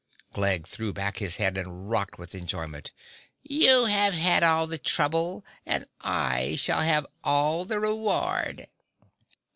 Glegg threw back his head and rocked with enjoyment. "You have had all the trouble and I shall have all the reward!"